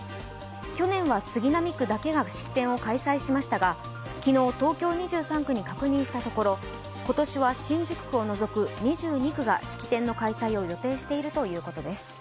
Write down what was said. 去年は杉並区だけが式典を開催しましたが昨日、東京２３区に確認したところ今年は新宿区を除く２２区が式典の開催を予定しているということです。